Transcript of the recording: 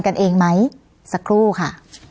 กันเองไหมสักครู่ค่ะ